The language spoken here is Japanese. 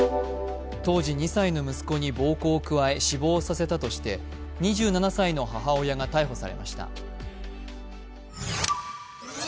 当時２歳の息子に暴行を加え死亡させたとして２７歳の母親が逮捕されました。